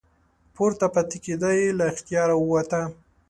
پورته پاتې کیدا یې له اختیاره ووته.